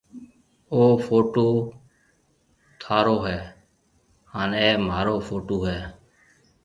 او ڦوٽُو ٿارو هيَ هانَ اَي مهارو ڦوٽُو هيَ۔